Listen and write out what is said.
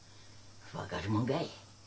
分がるもんがい。